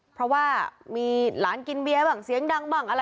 เพราะว่ามีหลานกินเบียร์บ้างเสียงดังบ้างอะไร